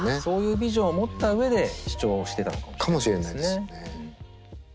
そういうビジョンを持った上で試聴してたのかも。かもしれないですね。